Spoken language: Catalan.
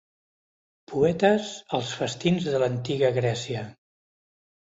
Poetes als festins de l'antiga Grècia.